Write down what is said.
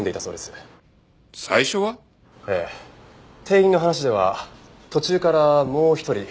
店員の話では途中からもう一人。